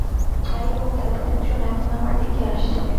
যাইহোক, তাদের একজন এখন আমার দিকে আসছে।